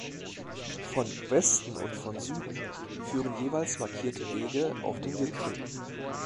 Von Westen und von Süden führen jeweils markierte Wege auf den Gipfel.